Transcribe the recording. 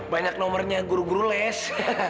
banyak nomornya guru guru les